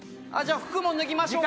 服も脱ぎましょうか？